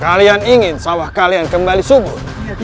kalian ingin sawah kalian kembali subur